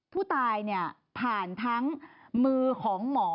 ผู้ตายผ่านทั้งมือของหมอ